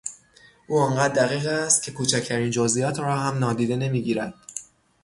او آنقدر دقیق است که کوچکترین جزئیات را هم نادیده نمیگیرد.